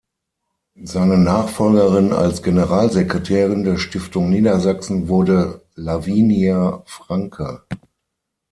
Seine Nachfolgerin als Generalsekretärin der Stiftung Niedersachsen wurde Lavinia Francke.